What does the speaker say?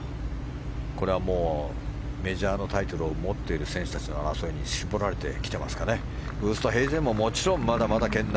これはもうメジャーのタイトルを持っている選手の争いに絞られてきてますかね。